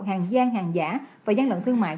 hàng giang hàng giả và gian lận thương mại